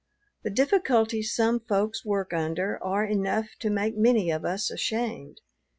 The difficulties some folks work under are enough to make many of us ashamed.